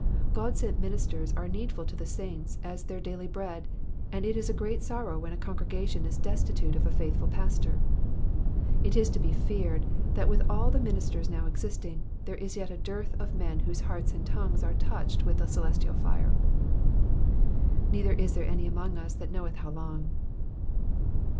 God sent ministers are as needful to the saints as their daily bread, and it is u great sorrow when a congregation is destitute of a faithful pastor. It is to be feared, that with all the ministers now existing, there is yet a dearth of men whose hearts and tongues are touched with the celestial fire. ^^Neithe)' is thei^e any among vs that hioweth how long."